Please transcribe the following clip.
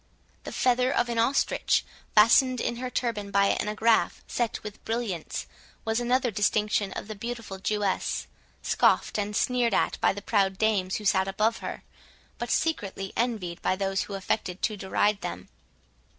The feather of an ostrich, fastened in her turban by an agraffe set with brilliants, was another distinction of the beautiful Jewess, scoffed and sneered at by the proud dames who sat above her, but secretly envied by those who affected to deride them.